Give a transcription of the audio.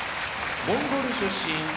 龍モンゴル出身